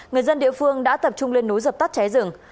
người dân địa phương đã tập trung lên núi dập tắt cháy rừng